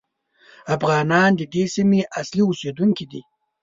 افغانان د دې سیمې اصلي اوسېدونکي دي.